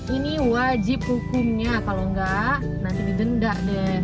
ini wajib hukumnya kalau enggak nanti didendar deh